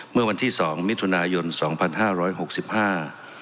เมื่อวันที่สองมิถุนายนสองพันห้าร้อยหกสิบห้า